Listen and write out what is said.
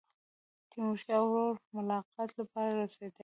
تیمورشاه ورور د ملاقات لپاره رسېدلی.